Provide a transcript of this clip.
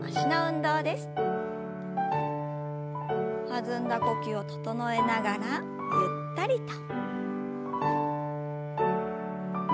弾んだ呼吸を整えながらゆったりと。